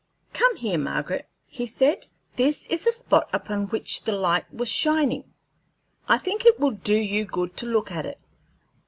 "Come here, Margaret," he said; "this is the spot upon which the light was shining. I think it will do you good to look at it.